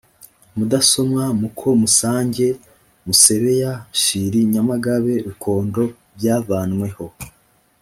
mudasomwa muko musange musebeya nshili nyamagabe rukondo byavanweho